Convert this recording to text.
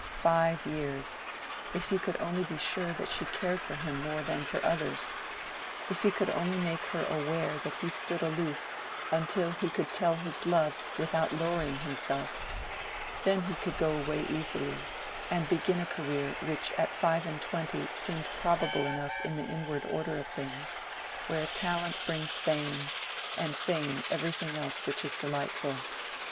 Five years:—if he could only be sure that she cared for him more than for others; if he could only make her aware that he stood aloof until he could tell his love without lowering himself—then he could go away easily, and begin a career which at five and twenty seemed probable enough in the inward order of things, where talent brings fame, and fame everything else which is delightful.